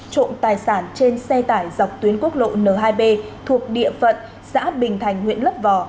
trộm tài sản trên xe tải dọc tuyến quốc lộ n hai b thuộc địa phận xã bình thành huyện lấp vò